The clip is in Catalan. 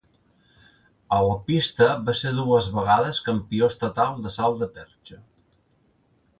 A la pista, va ser dues vegades campió estatal de salt de perxa.